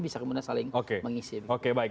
bisa kemudian saling mengisi